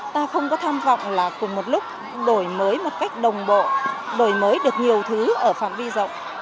ta không có tham vọng là cùng một lúc đổi mới một cách đồng bộ đổi mới được nhiều thứ ở phạm vi rộng